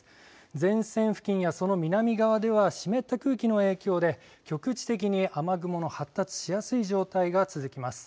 前線付近やその南側では湿った空気の影響で局地的に雨雲の発達しやすい状態が続きます。